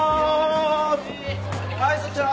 はいそちら。